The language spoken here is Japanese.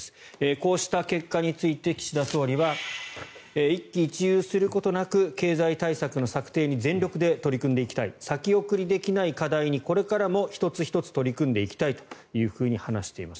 こうした結果について岸田総理は一喜一憂することなく経済対策の策定に全力で取り組んでいきたい先送りできない課題にこれからも１つ１つ取り組んでいきたいと話しています。